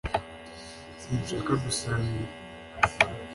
sinshaka gusangira